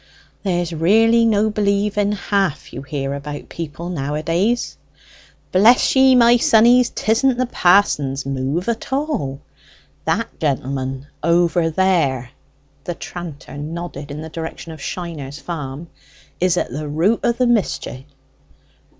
"There's really no believing half you hear about people nowadays." "Bless ye, my sonnies! 'tisn't the pa'son's move at all. That gentleman over there" (the tranter nodded in the direction of Shiner's farm) "is at the root of the mischty."